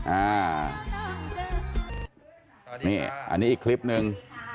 อันนี้อีกคลิปนึง